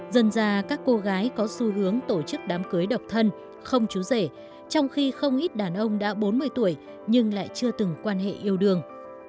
dần ra các cô gái có xu hướng tổ chức đám cưới độc thân không chú rể trong khi không ít đàn ông đã bốn mươi tuổi nhưng lại chưa từng quan hệ yêu đương